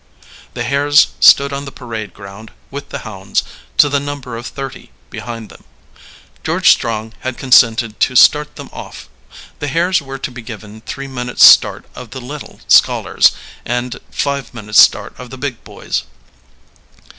The hares stood on the parade ground, with the hounds, to the number of thirty, behind them. George Strong had consented to start them off. The hares were to be given three minutes start of the little scholars and five minutes start of the big boys.